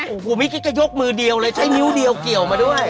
โอ้โหไม่คิดจะยกมือเดียวเลยใช้นิ้วเดียวเกี่ยวมาด้วย